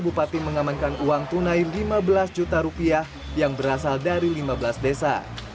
bupati mengamankan uang tunai lima belas juta rupiah yang berasal dari lima belas desa